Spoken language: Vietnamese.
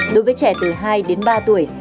đối với trẻ từ hai đến ba tuổi